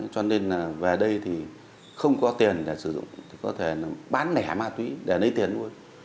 cho nên về đây thì không có tiền để sử dụng có thể bán lẻ ma túy để lấy tiền luôn